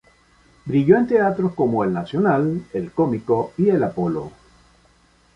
Brilló en teatros como El Nacional, El Cómico y el Apolo.